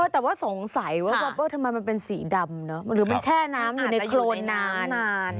แต่ว่าสงสัยว่าวอเปอร์ทำไมมันเป็นสีดำหรือมันแช่น้ำอยู่ในโครนนาน